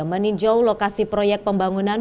meninjau lokasi proyek pembangunan